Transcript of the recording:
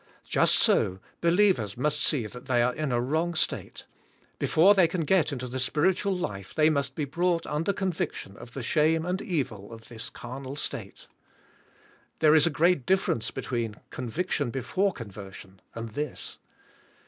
Just so, be lievers must see that they are in a wrong" state; be fore they can g"et into the spiritual life they must be broug"ht under conviction of the shame and evil of this carnal state. There is a g^reat difference between conviction before conversion and this.